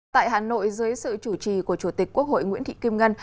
tại hà nội dưới sự chủ trì của chủ tịch quốc hội nguyễn thị kim ngân